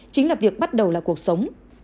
chính là việc bắt đầu là cuộc sống